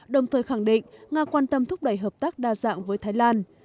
đồng thời khẳng định nga quan tâm thúc đẩy hợp tác đa dạng với thái lan